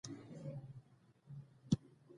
ازادي راډیو د د ښځو حقونه په اړه د عبرت کیسې خبر کړي.